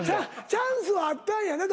チャンスはあったんやな？